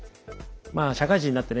まあ社会人になってね